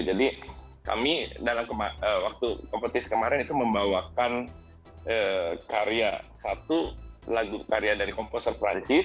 jadi kami dalam waktu kompetisi kemarin itu membawakan karya satu lagu lagu dari komposer perancis